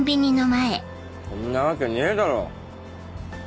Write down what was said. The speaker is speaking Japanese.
そんなわけねえだろ。